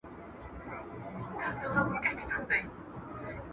د غریبانو معلوم حق باید په خوښۍ سره ورکړل سي.